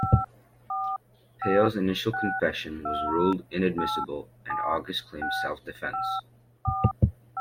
Paille's initial confession was ruled inadmissible and August claimed self-defense.